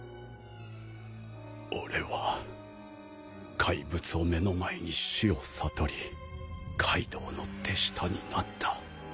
俺は怪物を目の前に死を悟りカイドウの手下になった。